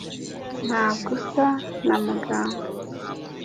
Ntabwo usa na muganga.